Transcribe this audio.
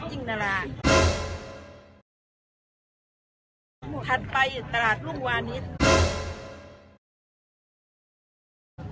คือตลาดซ้ายคือตลาดสวนหรวงเนื่อง